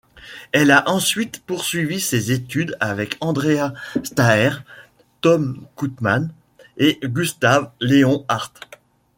Elle a ensuite poursuivi ses études avec Andreas Staier, Ton Koopman et Gustav Leonhardt.